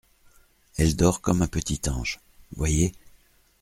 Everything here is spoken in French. Elle dort comme un petit ange… voyez.